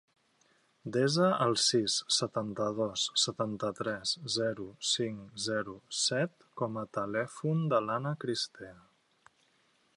Desa el sis, setanta-dos, setanta-tres, zero, cinc, zero, set com a telèfon de l'Anna Cristea.